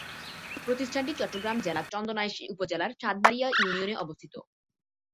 প্রতিষ্ঠানটি চট্টগ্রাম জেলার চন্দনাইশ উপজেলার সাতবাড়িয়া ইউনিয়নে অবস্থিত।